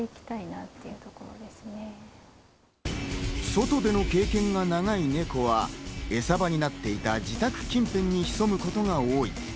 外での経験が長いネコは、エサ場になっていた自宅近辺に潜むことが多い。